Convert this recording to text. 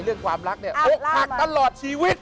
เรื่องความรักเนี่ยอกหักตลอดชีวิต